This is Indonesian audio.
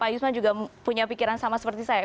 pak yusman juga punya pikiran sama seperti saya